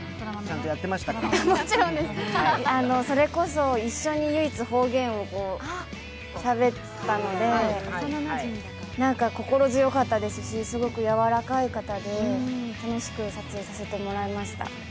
もちろんです、それこそ一緒に唯一方言をしゃべったので心強かったですし、すごくやわらかい方で楽しく撮影させてもらいました。